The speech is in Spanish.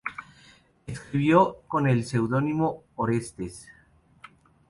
Escribió con el seudónimo de "Orestes".